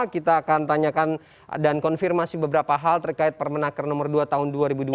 kita akan tanyakan dan konfirmasi beberapa hal terkait permenaker nomor dua tahun dua ribu dua puluh